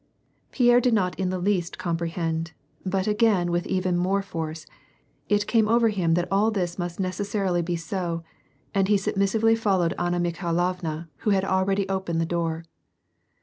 * Pierre did not in the least comprehend, but again with even more force it came over him that all this must necessarily be so, and he submissively followed Anna Mikhailovua, who had already opened the door.